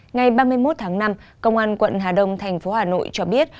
ngày ba mươi một tháng năm công an quận hà đông thành phố hà nội cho biết